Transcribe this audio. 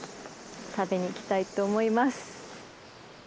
食べに行きたいと思います。